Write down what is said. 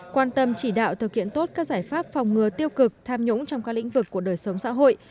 quan tâm chỉ đạo thực hiện tốt các giải pháp phòng ngừa tiêu cực tham nhũng trong các lĩnh vực của đời sống xã hội